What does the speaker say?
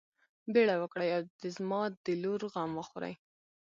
بيړه وکړئ او د زما د لور غم وخورئ.